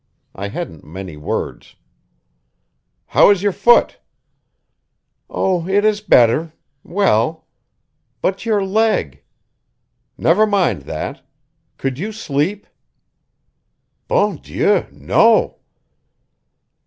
I hadn't many words. "How is your foot?" "Oh, it is better; well. But your leg " "Never mind that. Could you sleep?" "Bon Dieu no!"